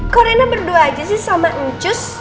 kok raina berdua aja sih sama ncus